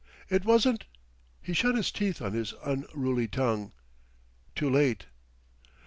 It wasn't...." He shut his teeth on his unruly tongue too late.